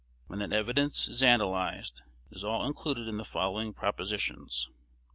When that evidence is analyzed, it is all included in the following propositions: 1.